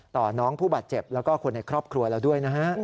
น้องผู้บาดเจ็บแล้วก็คนในครอบครัวเราด้วยนะฮะ